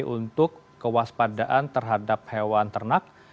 untuk kewaspadaan terhadap hewan ternak